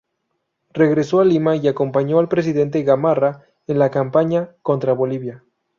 Regresó a Lima y acompañó al presidente Gamarra en la campaña contra Bolivia.